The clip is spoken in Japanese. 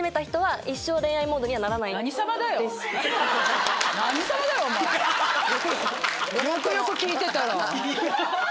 よくよく聞いてたら。